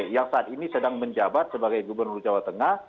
yang saat ini sedang menjabat sebagai gubernur jawa tengah